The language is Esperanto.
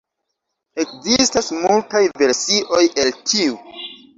Ekzistas multaj versioj el tiu.